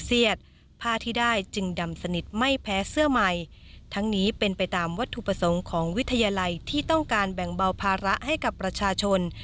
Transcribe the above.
ผ้าที่ได้จึงดำสนิทไม่แพ้เสื้อใหม่ทั้งนี้เป็นไปตามวัตถุประสงค์ของวิทยาลัยที่ต้องการแบ่งเบาภาระให้กับประชาชน